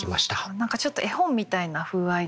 何かちょっと絵本みたいな風合いですね。